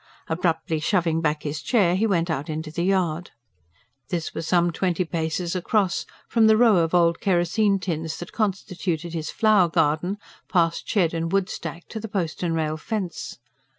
Abruptly shoving back his chair, he went out into the yard. This was some twenty paces across from the row of old kerosene tins that constituted his flower garden, past shed and woodstack to the post and rail fence.